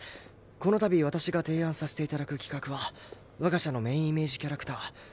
この度私が提案させて頂く企画は我が社のメインイメージキャラクター。